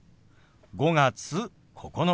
「５月９日」。